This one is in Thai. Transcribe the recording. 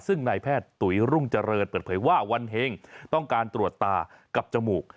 ซึ่งนายแพทย์ตุ๋ยรุ่งเจริญเปิดเผยว่าวันเห็งต้องการตรวจตากับจมูก